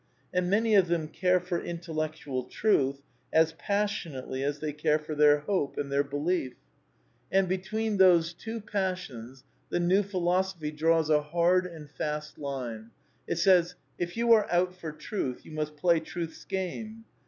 And many of them care for intellectual truth as passionately as they care for their hope and their INTRODUCTION xiii belief. And between these two passions the new Phi losophy draws a hard and fast line. It says :" If you are out for truth you must play truth's game.